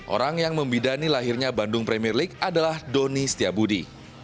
orang yang membidani lahirnya bandung premier league adalah doni setiabudi